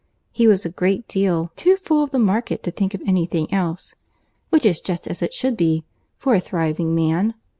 He was a great deal too full of the market to think of any thing else—which is just as it should be, for a thriving man.